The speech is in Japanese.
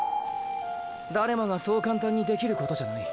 誰もがそう簡単にできることじゃない。